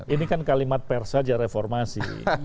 ini kan kalimat persa aja reformasi